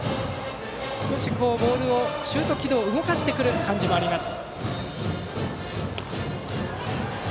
少しボールをシュート軌道動かしてくる感じもあります。